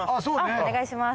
お願いします。